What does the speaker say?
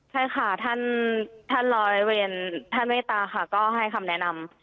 ใช่ค่ะครับท่านลอยเวียนท่านเวทร่าค่ะก็ให้คำแนะนำ